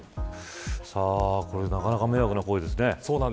なかなか迷惑な行為ですね。